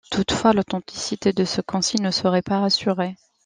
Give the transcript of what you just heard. Toutefois l’authenticité de ce concile ne serait pas assurée.